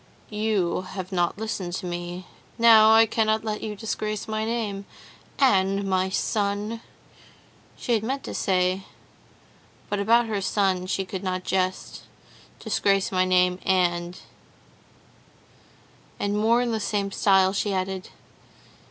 You have not listened to me. Now I cannot let you disgrace my name,—'" "and my son," she had meant to say, but about her son she could not jest,—"'disgrace my name, and'—and more in the same style," she added.